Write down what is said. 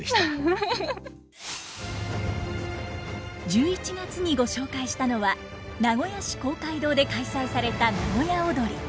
１１月にご紹介したのは名古屋市公会堂で開催された名古屋をどり。